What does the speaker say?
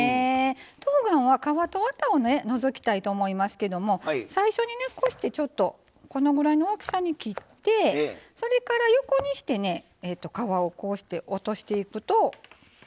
とうがんは、皮とワタを除きたいと思いますけども最初にこのぐらいの大きさに切ってそれから、横にしてね皮を落としていくと。